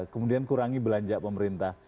kemudian kurangi belanja pemerintah